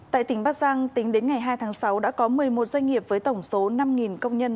tại tỉnh bắc giang tính đến ngày hai tháng sáu đã có một mươi một doanh nghiệp với tổng số năm công nhân